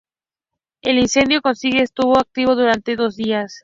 El incendio consiguiente estuvo activo durante dos días.